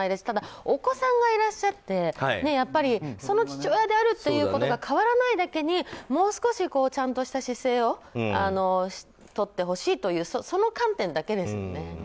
ただ、お子さんがいらっしゃってその父親であるということは変わらないだけにもう少し、ちゃんとした姿勢をとってほしいというその観点だけですよね。